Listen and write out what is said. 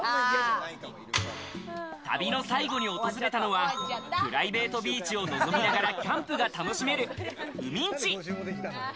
旅の最後に訪れたのはプライベートビーチを望みながらキャンプが楽しめる海ん道。